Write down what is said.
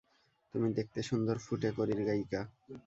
তুমি দেখতে সুন্দর, ফুটে-কড়ির গায়িকা।